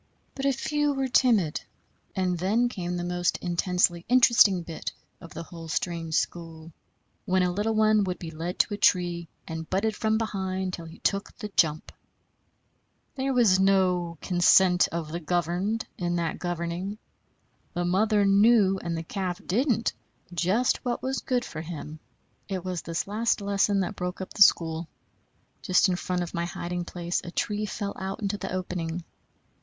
But a few were timid; and then came the most intensely interesting bit of the whole strange school, when a little one would be led to a tree and butted from behind till he took the jump. There was no "consent of the governed" in that governing. The mother knew, and the calf didn't, just what was good for him. It was this last lesson that broke up the school. Just in front of my hiding place a tree fell out into the opening.